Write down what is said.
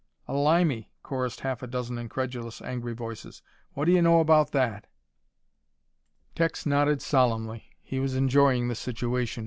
"A Limey!" chorused half a dozen incredulous, angry voices. "Whatdya know about that!" Tex nodded solemnly. He was enjoying the situation.